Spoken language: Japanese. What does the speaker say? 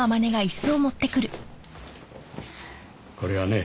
これはね